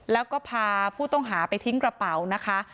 แล้วก็พาผู้ต้องหาไปทิ้งกระเป๋านะคะ